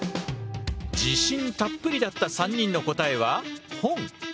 自信たっぷりだった３人の答えは「本」。